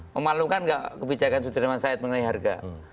memalukan nggak kebijakan sudirman said mengenai harga